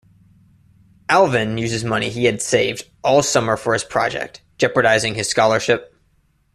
Alvin uses money he had saved all summer for his project, jeopardizing his scholarship.